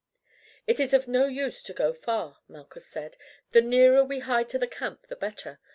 "It is of no use to go far," Malchus said; "the nearer we hide to the camp the better.